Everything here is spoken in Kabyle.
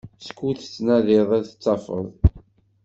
Skud tettnadiḍ ad tafeḍ.